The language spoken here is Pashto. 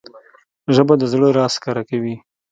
ژبه د زړه راز ښکاره کوي